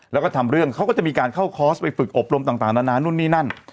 แล้วก็ทำเรื่องเขาก็จะมีการเข้าคอร์สไปฝึกอบรมต่างนานานู่นนี่นั่น